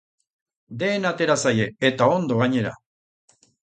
Dena atera zaie, eta ondo, gainera.